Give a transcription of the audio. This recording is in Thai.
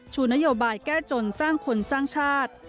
ชูนโยบายแก้จนสร้างคนสร้างชาติ